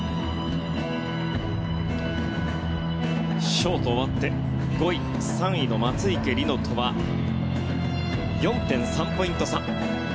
ショートが終わって５位３位の松生理乃とは４．３ポイント差。